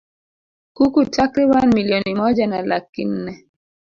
kuku takriban milioni moja na laki nne